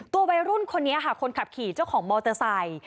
วัยรุ่นคนนี้ค่ะคนขับขี่เจ้าของมอเตอร์ไซค์